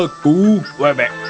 aku akan melihat kotaku